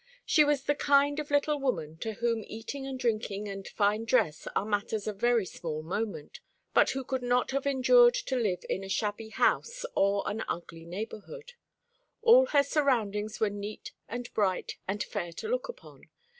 She was the kind of little woman to whom eating and drinking and fine dress are matters of very small moment, but who could not have endured to live in a shabby house or an ugly neighbourhood. All her surroundings were neat and bright and fair to look upon.